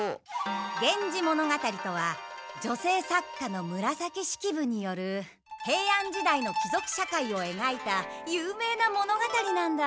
「源氏物語」とは女性作家の紫式部による平安時代の貴族社会をえがいた有名な物語なんだ。